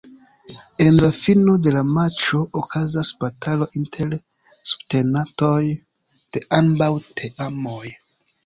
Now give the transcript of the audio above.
En la fino de la matĉo okazas batalo inter subtenantoj de ambaŭ teamoj.